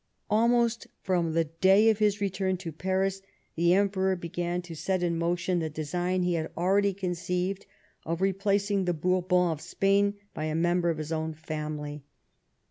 Almost from the day of his return to Paris the Emperor began to set in motion the design he had already conceived of replacing the Bourbons of Spain by a member of his own family.